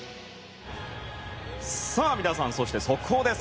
皆さん、そして速報です。